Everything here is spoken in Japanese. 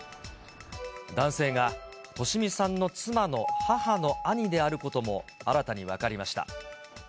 男性が、利美さんの妻の母の兄であることも、新たに分かりました。